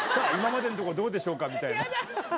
今までのところどうでしょうかみたいな。